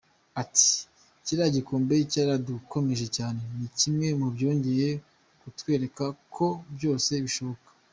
Ati “Kiriya gikombe cyaradukomeje cyane, ni kimwe mu byongeye kutwereka ko byose bishoboka.